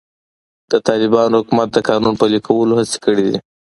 د طالبانو حکومت د قانون پلي کولو هڅې کړې دي.